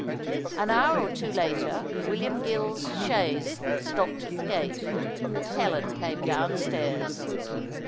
An hour or two later William Gill's chaise stopped at the gate, and Helen came downstairs.